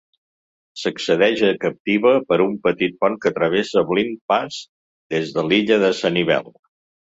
S'accedeix a Captiva per un petit pont que travessa Blind Pass des de l'illa de Sanibel.